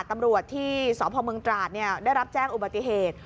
ตำรวจที่สพมตราดได้รับแจ้งอุบัติเหตุ